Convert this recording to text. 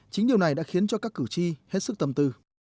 chính điều này đã khiến cho các cử tri hết sức tâm tư